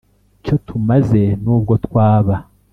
Cyo tumaze nubwo twaba